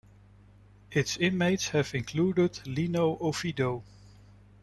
Its inmates have included Lino Oviedo.